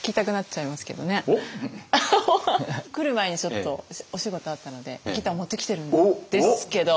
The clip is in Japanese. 来る前にちょっとお仕事あったのでギター持ってきてるんですけど。